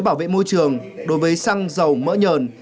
bảo vệ môi trường đối với xăng dầu mỡ nhờn